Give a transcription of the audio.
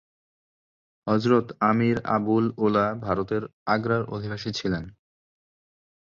হযরত আমীর আবুল-উলা ভারতের আগ্রার অধিবাসী ছিলেন।